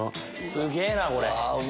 すげぇなこれ！